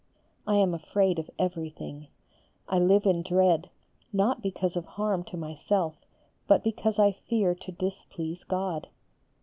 I am afraid of everything; I live in dread, not because of harm to myself, but because I fear to displease God.